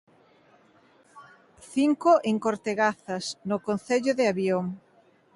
Cinco en Cortegazas, no concello de Avión.